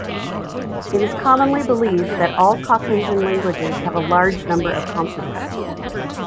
It is commonly believed that all Caucasian languages have a large number of consonants.